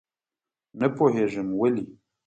نه پوهېږم ولې.